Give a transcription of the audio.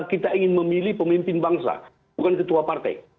kita ingin memilih pemimpin bangsa bukan ketua partai